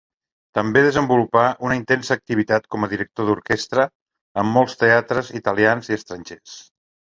També desenvolupà una intensa activitat com a director d'orquestra en molts teatres italians i estrangers.